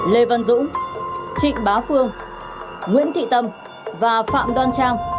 lê văn dũng trịnh bá phương nguyễn thị tâm và phạm đoan trang